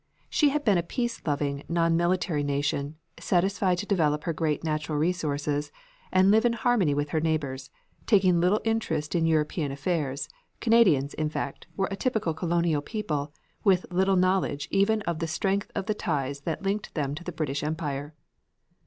She had been a peace loving, non military nation, satisfied to develop her great natural resources, and live in harmony with her neighbors; taking little interest in European affairs, Canadians, in fact, were a typical colonial people, with little knowledge even of the strength of the ties that linked them to the British Empire.